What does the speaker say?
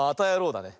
だね。